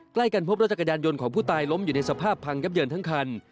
ใกล้กันพบรถจักรยานยนต์ของผู้ตายล้มอยู่ในสภาพพังยับเยินทั้งคัน